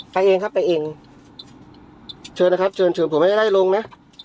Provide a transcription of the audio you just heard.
ไปเองครับไปเองเชิญนะครับเชิญเชิญผมไม่ได้ไล่ลงนะ